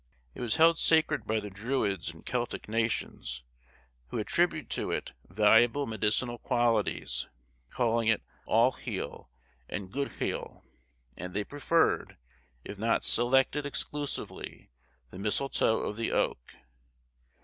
It was held sacred by the Druids and Celtic nations, who attribute to it valuable medicinal qualities, calling it allheal and guidhel, and they preferred, if not selected exclusively, the misletoe of the oak.